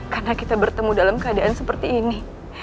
karena kita bertemu dalam keadaan seperti ini